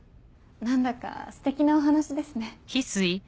何だかステキなお話ですね。